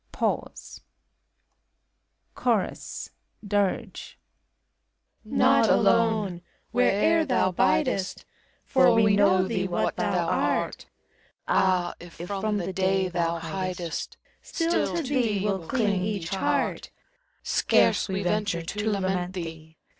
Pause. CHORUS [Dir^.] Not alone! where'er thou biifest; For we know thee what thou art. Ah! if from the Day thou faidest, Still to thee will ding each heart. Scarce we venture to lament thee.